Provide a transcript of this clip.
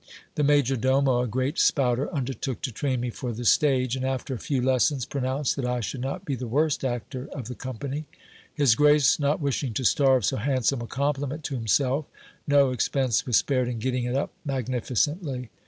The major domo, a great spouter, j undertook to train me for the stage ; and after a few lessons, pronounced that I should not be fhe worst actor of the company. His grace not wishing to starve j so handsome a compliment to himself, no expense was spared in getting it up ! magnificently.